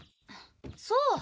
そう。